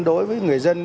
đối với người dân